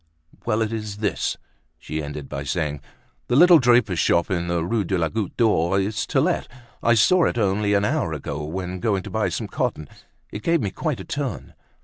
"Well, it is this," she ended by saying, "the little draper's shop in the Rue de la Goutte d'Or, is to let. I saw it only an hour ago, when going to buy some cotton. It gave me quite a turn."